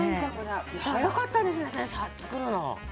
早かったですね先生、作るの。